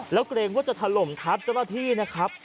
แล้วเกรงว่าจะถล่มทับเจ้าหน้าที่นะครับ